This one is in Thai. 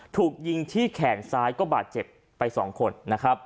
ถูกยิงที่แขนซ้ายก็บาดเจ็บไป๒คนนะครับ